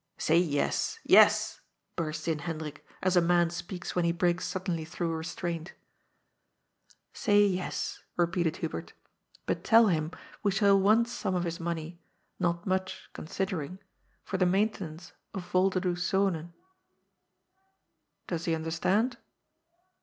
" Say yes, yes," burst in Hendrik, as a man speaks when he breaks suddenly through restraint. "Say yes," repeated Hubert, "but tell him we shall want some of his money, not much considering, for the maintenance of Yolderdoes Zonen. Does he under stand?"